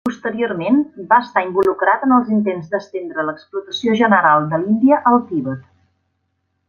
Posteriorment, va estar involucrat en els intents d'estendre l'exploració general de l'Índia al Tibet.